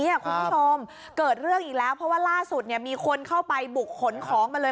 คุณผู้ชมเกิดเรื่องอีกแล้วเพราะว่าล่าสุดเนี่ยมีคนเข้าไปบุกขนของมาเลย